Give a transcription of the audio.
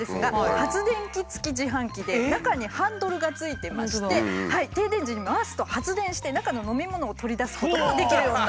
発電機付き自販機で中にハンドルが付いてまして停電時に回すと発電して中の飲み物を取り出すこともできるようになってるんですね。